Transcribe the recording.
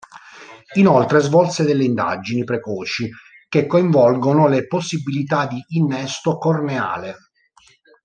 Inoltre, svolse delle indagini precoci che coinvolgono le possibilità di innesto corneale.